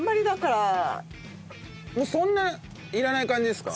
そんないらない感じですか？